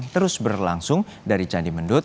terus berlangsung dari candi mendut